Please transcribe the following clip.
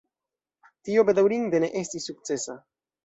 Tio bedaŭrinde ne estis sukcesa.